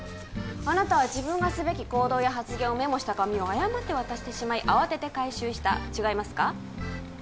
あなたは自分がすべき行動や発言をメモした紙を誤って渡してしまい慌てて回収した違いますか？